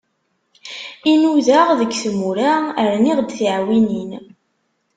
I d-nudaɣ deg tmura, rniɣ-d tiɛwinin.